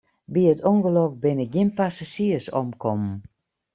By it ûngelok binne gjin passazjiers omkommen.